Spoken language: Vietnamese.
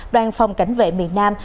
đoàn phòng cảnh vệ miền nam